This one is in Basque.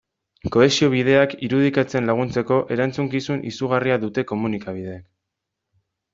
Kohesio bideak irudikatzen laguntzeko erantzukizun izugarria dute komunikabideek.